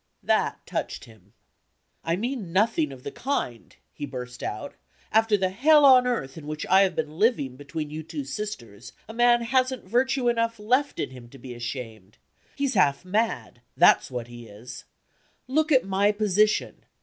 That touched him. "I mean nothing of the kind," he burst out. "After the hell on earth in which I have been living between you two sisters, a man hasn't virtue enough left in him to be ashamed. He's half mad that's what he is. Look at my position!